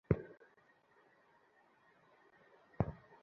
তাহাতে আশা সখীর উপর অত্যন্ত অসন্তুষ্ট হইয়াছিল।